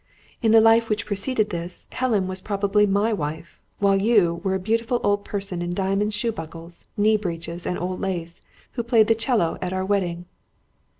In the life which preceded this, Helen was probably my wife, while you were a beautiful old person in diamond shoe buckles, knee breeches, and old lace, who played the 'cello at our wedding."